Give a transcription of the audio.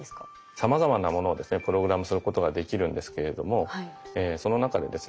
さまざまなものをプログラムすることができるんですけれどもその中でですね